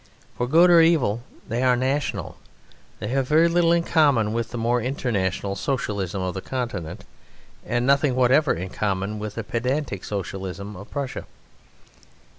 For good or evil, they are national; they have very little in common with the more international Socialism of the Continent, and nothing whatever in common with the pedantic Socialism of Prussia.